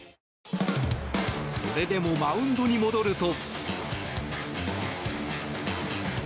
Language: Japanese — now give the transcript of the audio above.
それでもマウンドに戻ると。